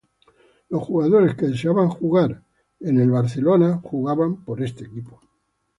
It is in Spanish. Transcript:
Los jugadores que deseaban jugar en la Sheffield Challenge Cup jugaban por este equipo.